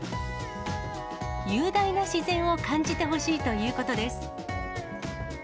雄大な自然を感じてほしいということです。